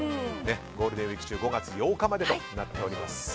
ゴールデンウィーク中５月８日までとなっております。